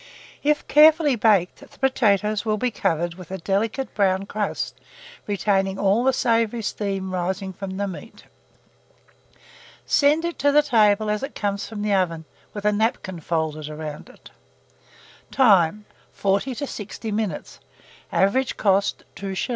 If carefully baked, the potatoes will be covered with a delicate brown crust, retaining all the savoury steam rising from the meat. Send it to table as it comes from the oven, with a napkin folded round it. Time. 40 to 60 minutes. Average cost, 2s.